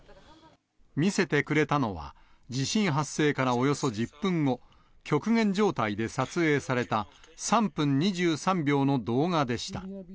見せてくれたのは、地震発生からおよそ１０分後、極限状態で撮影された３分２３秒の動画でした。